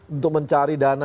untuk mencari dana